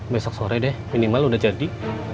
besok sore deh minimal udah jadi